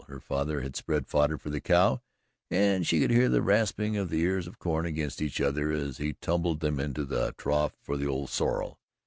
Her father had spread fodder for the cow and she could hear the rasping of the ears of corn against each other as he tumbled them into the trough for the old sorrel.